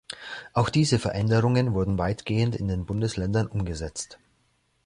Auch diese Veränderungen wurden weitgehend in den Bundesländern umgesetzt.